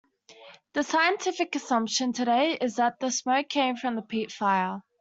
The scientific assumption today is that the smoke came from a peat fire.